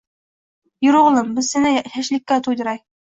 – Yur o‘g‘lim, bir seni «shashlik»ka to‘ydiray